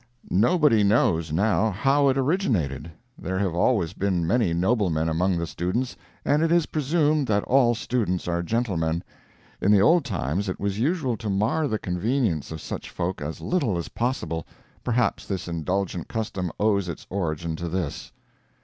Nobody knows, now, how it originated. There have always been many noblemen among the students, and it is presumed that all students are gentlemen; in the old times it was usual to mar the convenience of such folk as little as possible; perhaps this indulgent custom owes its origin to this.